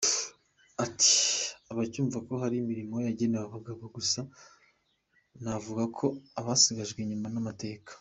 Ati” Abacyumva ko hari imirimo yagenewe abagabo gusa navuga ko basigajwe inyuma n’amateka.